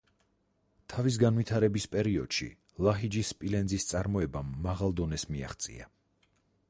თავის განვითარების პერიოდში ლაჰიჯის სპილენძის წარმოებამ მაღალ დონეს მიაღწია.